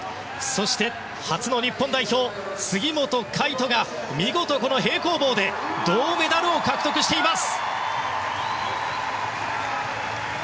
そして、初の日本代表杉本海誉斗が見事、平行棒で銅メダルを獲得しています。